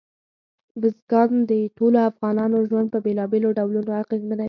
بزګان د ټولو افغانانو ژوند په بېلابېلو ډولونو اغېزمنوي.